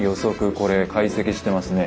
これ解析してますね。